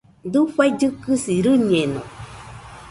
Dafai kɨkɨsi rɨñeno